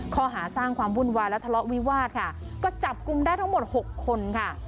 ข้อหาสร้างความวุ่นวายและทะเลาะวิวาสค่ะก็จับกลุ่มได้ทั้งหมดหกคนค่ะ